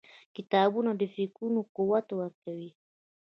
• کتابونه د فکرونو قوت ورکوي.